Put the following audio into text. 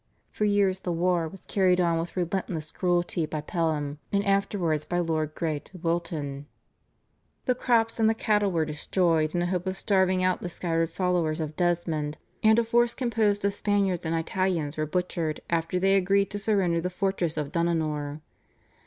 For years the way was carried on with relentless cruelty by Pelham and afterwards by Lord Grey de Wilton; the crops and the cattle were destroyed in a hope of starving out the scattered followers of Desmond, and a force composed of Spaniards and Italians were butchered after they agreed to surrender the fortress of Dunanore.